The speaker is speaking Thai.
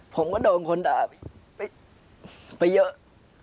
ผมก็โดนคนด่าไปเยอะ